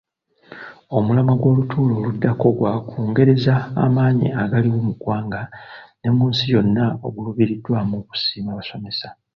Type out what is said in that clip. Omulamwa gw'olutuula oluddako gwa kwongereza maanyi agaliwo mu ggwanga ne mu nsi yonna oguluubiriddwamu okusiima basomesa.